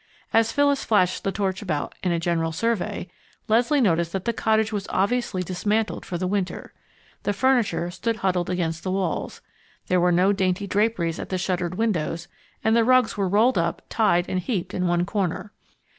As Phyllis flashed the torch about in a general survey, Leslie noticed that the cottage was obviously dismantled for the winter. The furniture stood huddled against the walls; there were no dainty draperies at the shuttered windows, and the rugs were rolled up, tied, and heaped in one corner.